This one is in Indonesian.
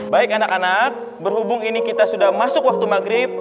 baik anak anak berhubung ini kita sudah masuk waktu maghrib